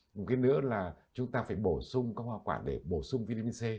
một cái nữa là chúng ta phải bổ sung các hoa quả để bổ sung vitamin c